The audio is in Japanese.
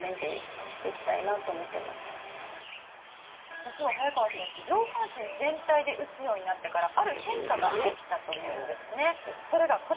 実は、早川選手上半身全体で撃つようになってからある変化が起きたというんです。